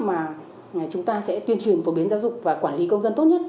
mà chúng ta sẽ tuyên truyền phổ biến giáo dục và quản lý công dân tốt nhất